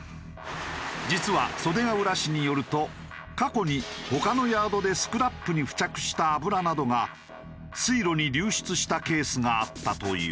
実は袖ケ浦市によると過去に他のヤードでスクラップに付着した油などが水路に流出したケースがあったという。